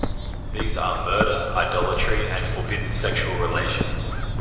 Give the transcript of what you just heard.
These are murder, idolatry, and forbidden sexual relations.